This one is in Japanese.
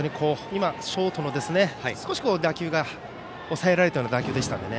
今、ショートの少し打球が抑えられたような打球でしたので。